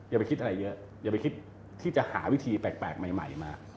อย่าไปคิดอะไรเยอะอย่าไปคิดที่จะหาวิธีแปลกใหม่มา